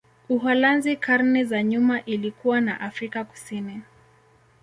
Uholanzi karne za nyuma ilikuwa na Afrika Kusini.